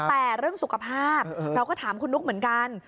แต่เรื่องสุขภาพเราก็ถามคุณนุ๊กเหมือนกัน